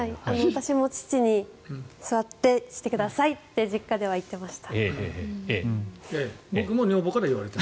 私も父に座ってしてくださいって実家では言ってました。